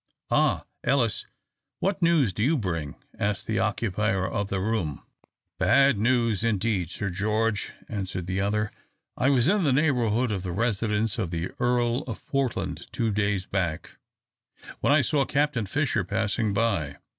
"Ah, Ellis, what news do you bring?" asked the occupier of the room. "Bad news indeed, Sir George," answered the other. "I was in the neighbourhood of the residence of the Earl of Portland two days back, when I saw Captain Fisher passing by.